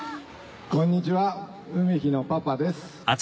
こんにちは海陽のパパです。